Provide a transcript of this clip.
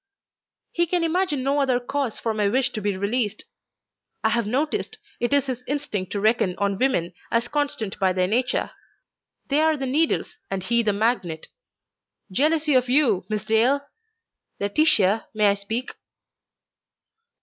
"He can imagine no other cause for my wish to be released. I have noticed, it is his instinct to reckon on women as constant by their nature. They are the needles, and he the magnet. Jealousy of you, Miss Dale! Laetitia, may I speak?"